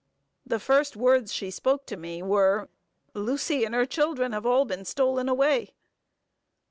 The first word's she spoke to me were, "Lucy and her children have all been stolen away."